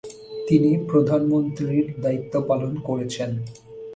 তিনি প্রধানমন্ত্রীর দায়িত্বপালন করেছেন।